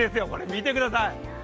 見てください。